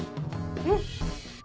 うん。